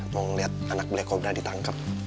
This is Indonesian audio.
mau ngeliat anak black cobra ditangkep